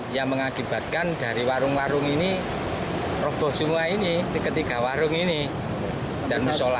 yang mengakibatkan dari warung warung ini roboh semua ini ketiga warung ini dan musola